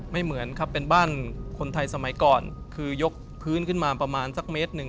เหมือนครับเป็นบ้านคนไทยสมัยก่อนคือยกพื้นขึ้นมาประมาณสักเมตรหนึ่ง